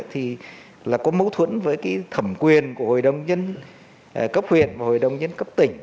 thì có mâu thuẫn với thẩm quyền của hội đồng nhân cấp huyện và hội đồng nhân cấp tỉnh